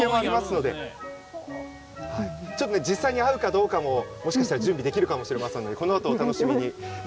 実際に合うかどうかももしかすると準備できるかもしれないのでこのあと、お楽しみに。